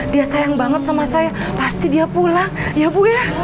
dia sayang banget sama saya pasti dia pulang ya bu ya